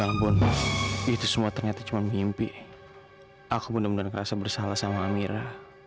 ya ampun itu semua ternyata cuma mimpi aku bener bener ngerasa bersalah sama amira